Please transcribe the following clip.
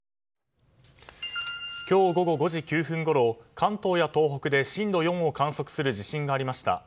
今日午後５時９分ごろ関東や東北で震度４を観測する地震がありました。